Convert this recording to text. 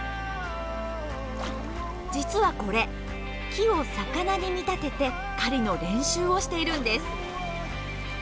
実はこれ木を魚に見立てて狩りの練習をしているんです。